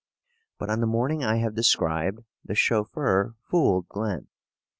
But on the morning I have described, the chauffeur fooled Glen.